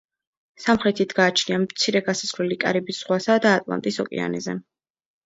სამხრეთით გააჩნია მცირე გასასვლელი კარიბის ზღვასა და ატლანტის ოკეანეზე.